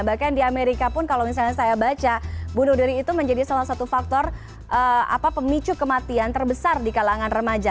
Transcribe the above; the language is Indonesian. bahkan di amerika pun kalau misalnya saya baca bunuh diri itu menjadi salah satu faktor pemicu kematian terbesar di kalangan remaja